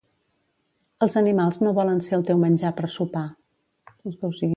Els animals no volen ser el teu menjar per sopar